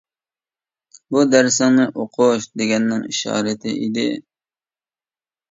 بۇ دەرسىڭنى ئوقۇش، دېگەننىڭ ئىشارىتى ئىدى.